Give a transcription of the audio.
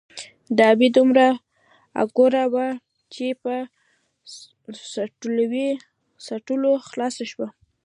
ـ د ابۍ دومره اګوره وه ،چې په څټلو خلاصه شوه.